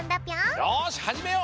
よしはじめよう！